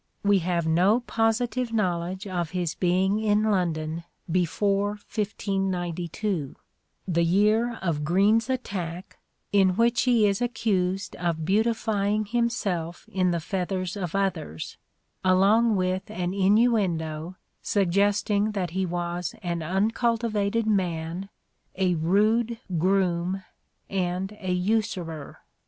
We have no positive knowledge of his being in London before 1592: the year of Greene's attack, in which he is accused of beautifying himself in the feathers of others, along with an innuendo suggesting that he was an uncultivated man, a " rude groome " and a " usurer."